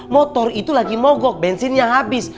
motor itu lagi mogok bensinnya habis